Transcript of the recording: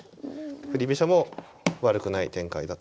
振り飛車も悪くない展開だったと思います。